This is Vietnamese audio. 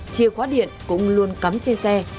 chia khóa điện cũng luôn cắm trên xe